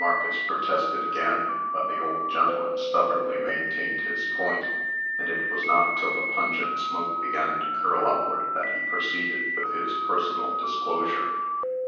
Marcus protested again, but the old gentleman stubbornly maintained his point; and it was not till the pungent smoke began to curl upward, that he proceeded with his personal disclosure.